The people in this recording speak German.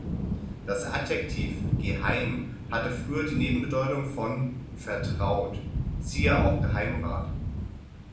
Das Adjektiv „geheim“ hatte früher die Nebenbedeutung von „vertraut“; siehe auch Geheimrat.